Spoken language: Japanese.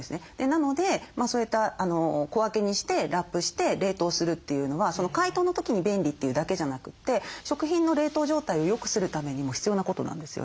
なのでそういった小分けにしてラップして冷凍するというのは解凍の時に便利というだけじゃなくて食品の冷凍状態をよくするためにも必要なことなんですよね。